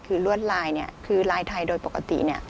คือลวดลายคือลายไทยโดยปกติ